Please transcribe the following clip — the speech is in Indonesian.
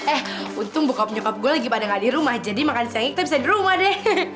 eh untung buka penyebab gue lagi pada gak di rumah jadi makan siangnya kita bisa di rumah deh